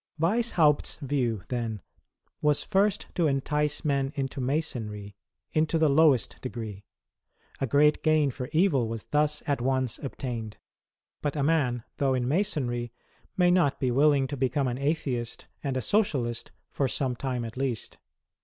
Weishaupt's view, then, was first to entice men into Masonry — into the lowest degree. A great gain for evil was thus at once obtained. But a man, though in Masonry, may not be willing to become an Atheist and a Socialist, for some time at least.